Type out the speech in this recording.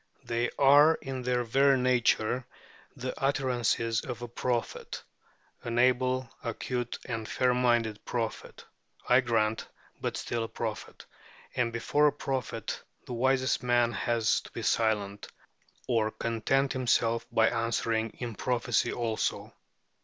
They are in their very nature the utterances of a prophet an able, acute, and fair minded prophet, I grant, but still a prophet and before a prophet the wisest man has to be silent, or content himself by answering in prophecy also.